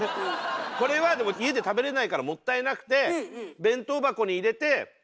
これはでも家で食べれないからもったいなくて偉い。